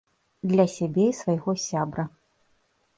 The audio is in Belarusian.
Для сябе і свайго сябра.